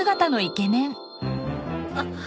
あっ。